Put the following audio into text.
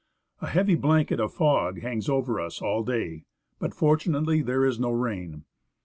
A heavy blanket of fog hangs over us all day, but, fortunately, there is no rain.